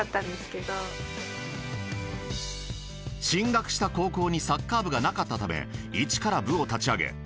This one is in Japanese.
進学した高校にサッカー部がなかったため一から部を立ち上げ